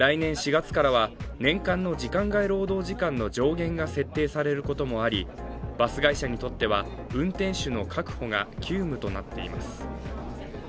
来年４月からは、年間の時間外労働時間の上限が設定されることもあり、バス会社にとっては、運転手の確保が急務となっています。